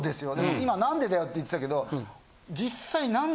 今「何でだよ！」って言ってたけど実際。